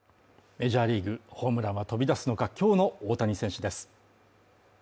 メジャーリーグホームランは飛び出すのか今日の大谷選手です。